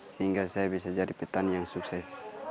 sehingga saya bisa jadi petani yang sukses